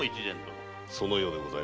そのようで。